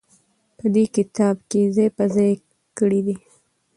په دې کتاب کې يې ځاى په ځاى کړي دي.